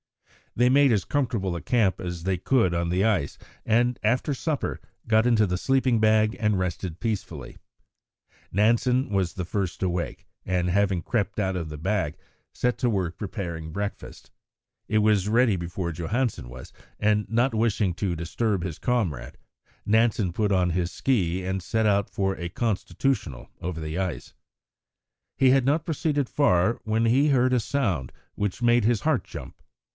They made as comfortable a camp as they could on the ice, and, after supper, got into the sleeping bag and rested peacefully. Nansen was first awake, and, having crept out of the bag, set to work preparing breakfast. It was ready before Johansen was, and not wishing to disturb his comrade, Nansen put on his ski and set out for a "constitutional" over the ice. He had not proceeded far when he heard a sound which made his heart jump.